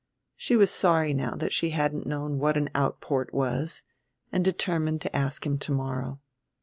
She was sorry now that she hadn't known what an outport was, and determined to ask him to morrow.